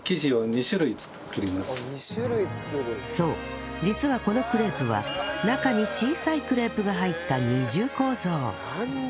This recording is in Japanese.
そう実はこのクレープは中に小さいクレープが入った二重構造